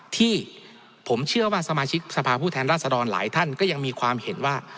ที่ผมเชื่อว่าสมาชิกสภาพผู้แทนราษฎรหลายท่านก็ยังมีความเห็นว่า